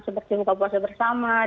seperti buka puasa bersama